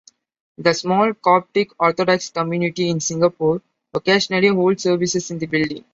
The small Coptic Orthodox community in Singapore occasionally hold services in the building.